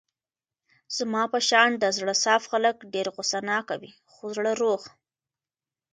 زما په شان د زړه صاف خلګ ډېر غوسه ناکه وي خو زړه روغ.